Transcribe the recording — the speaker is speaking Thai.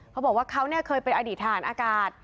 เขาบอกว่าเขาเนี่ยเคยเป็นอดิษฐานอากาศ